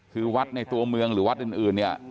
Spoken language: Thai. คือวัดในตัวเมืองหรือวัดอื่นเนี่ย